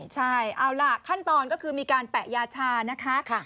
ใช่เอาล่ะขั้นตอนก็คือมีการแปะยาชานะคะ